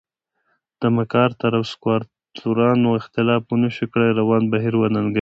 د مک ارتر او سکواټورانو اختلاف ونشو کړای روان بهیر وننګوي.